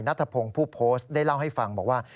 นัทพงศ์ผู้โพสต์ได้เล่าให้ฟังบอกว่า